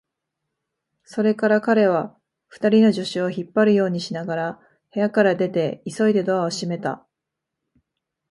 それから彼は、二人の助手を引っ張るようにしながら部屋から出て、急いでドアを閉めた。